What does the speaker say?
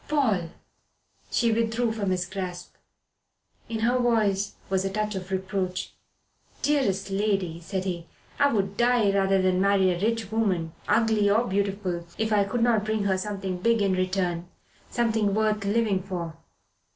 "Paul!" She withdrew from his grasp. In her voice was a touch of reproach. "Dearest lady," said he, "I would die rather than marry a rich woman, ugly or beautiful, if I could not bring her something big in return something worth living for."